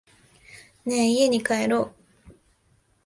ねぇ、家に帰ろう。